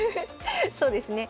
そうですね。